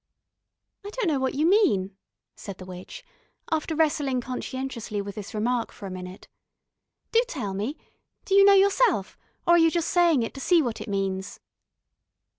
"I don't know what you mean," said the witch, after wrestling conscientiously with this remark for a minute. "Do tell me do you know yourself, or are you just saying it to see what it means?"